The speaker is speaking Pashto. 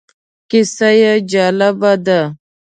کیسه یې جالبه ده.